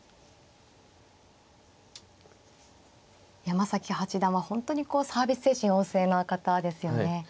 山崎八段は本当にこうサービス精神旺盛な方ですよね。